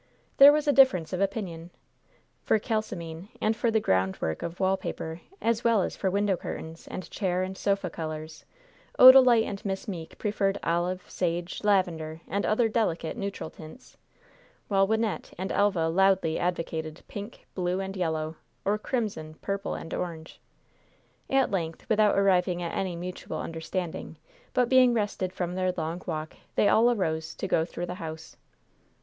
There was a difference of opinion. For kalsomine, and for the ground work of wall paper, as well as for window curtains, and chair and sofa colors, Odalite and Miss Meeke preferred olive, sage, lavender and other delicate, neutral tints, while Wynnette and Elva loudly advocated, pink, blue and yellow, or crimson, purple and orange. At length, without arriving at any mutual understanding, but being rested from their long walk, they all arose to go through the house.